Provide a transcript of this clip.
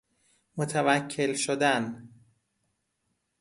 متوکل شدن